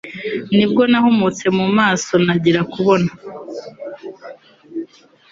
nibwo nahumutse mu maso ntangira kubona neza